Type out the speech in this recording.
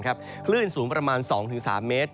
คลื่นสูงประมาณ๒๓เมตร